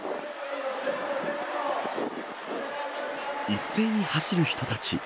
一斉に走る人たち。